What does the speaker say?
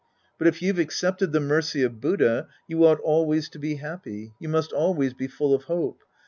But if you've accepted the mercy of Buddha, you ought always to be happy. You must always be full of hope.